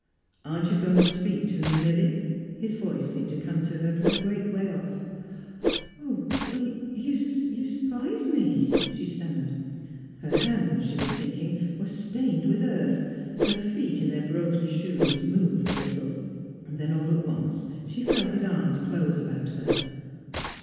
" Aren't you going to speak to me, Milly? " His voice seemed to come to her from a great way off. '* I — You surprised me," she stammered. Her hands (she was thinking) were stained with earth. Her feet, in their broken shoes, moved a little. Then all at once she felt his arms close about her.